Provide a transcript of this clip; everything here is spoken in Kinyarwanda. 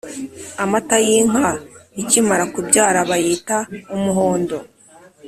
Amata y’Inka ikimara kubyara bayita umuhondo